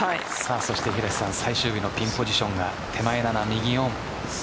そして最終日のピンポジションが手前から右オン。